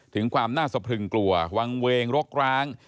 ถึงความน่าสะพรึงกลัววางเวงรกร้าง